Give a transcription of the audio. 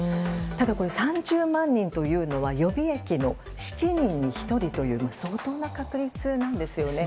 ただ、３０万人というのは予備役の７人に１人という相当な確率なんですよね。